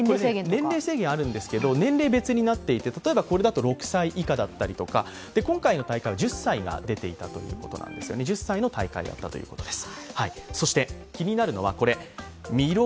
年齢制限はあるんですけど、年齢別になっていて例えばこれだと６歳以下だったりとか、今回の大会は１０歳の大会だったということです。